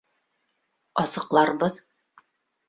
Асыҡларбыҙ.